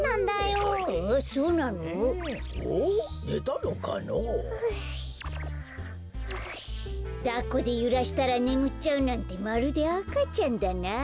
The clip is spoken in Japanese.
だっこでゆらしたらねむっちゃうなんてまるであかちゃんだな。